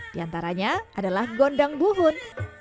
di antaranya adalah gondang buhun